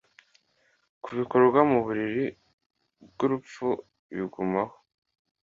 Kubikorwa muburiri bwurupfu bigumaho